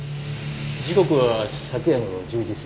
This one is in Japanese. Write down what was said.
時刻は昨夜の１０時過ぎ。